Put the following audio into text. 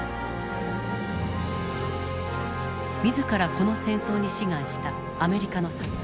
自らこの戦争に志願したアメリカの作家